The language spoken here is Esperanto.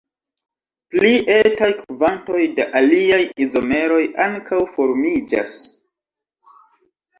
Pli etaj kvantoj da aliaj izomeroj ankaŭ formiĝas.